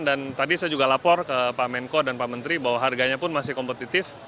dan tadi saya juga lapor ke pak menko dan pak menteri bahwa harganya pun masih kompetitif